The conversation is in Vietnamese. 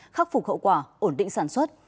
khắc phục hậu quả ổn định sản xuất